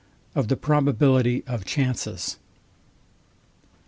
OF THE PROBABILITY OF CHANCES.